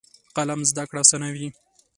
قلم زده کړه اسانوي.